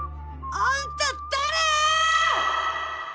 あんた誰！？